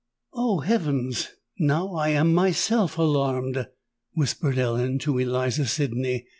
"Oh! heavens—now I am myself alarmed!" whispered Ellen to Eliza Sydney.